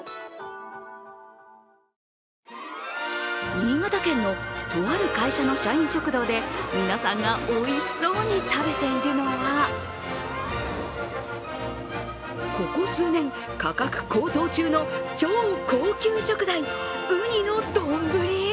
新潟県のとある会社の社員食堂で皆さんがおいしそうに食べているのはここ数年、価格高騰中の超高級食材うにの丼。